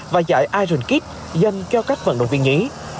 và giải ironkid dân kêu cách vận động viên nhí